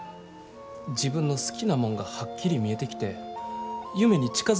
自分の好きなもんがはっきり見えてきて夢に近づいてる気ぃするんや。